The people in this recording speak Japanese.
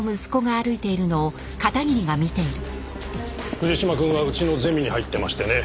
藤島くんはうちのゼミに入ってましてね